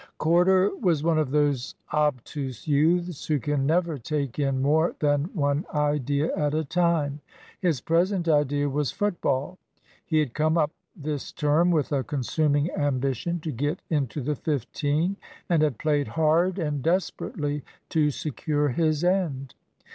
Corder was one of those obtuse youths who can never take in more than one idea at a time. His present idea was football. He had come up this term with a consuming ambition to get into the fifteen, and had played hard and desperately to secure his end.